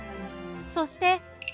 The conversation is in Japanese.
そして。